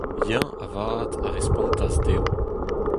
Eñ avat a respontas dezho :